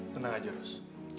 tenang aja ros